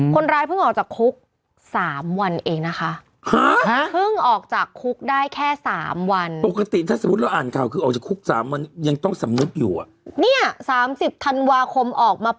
คนร้ายเพิ่งออกจากคุก๓วันเองนะคะ